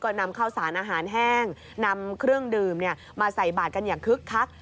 นำข้าวสารอาหารแห้งนำเครื่องดื่มมาใส่บาทกันอย่างคึกคัก